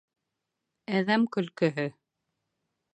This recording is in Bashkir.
Әҙәм көлкөһө.